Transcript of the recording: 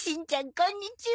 こんにちは。